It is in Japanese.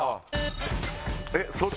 えっ